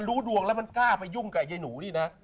รู้ดวงแล้วมันกล้าไปยุ่งกับยายหนูนี่นะ